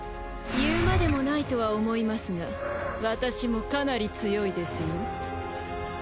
言うまでもないとは思いますが私もかなり強いですよ。